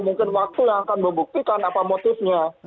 mungkin waktu yang akan membuktikan apa motifnya